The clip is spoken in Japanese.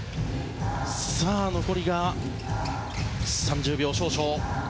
さあ、残りが３０秒少々。